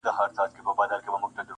که په خوب دي جنت و نه لید بیا وایه,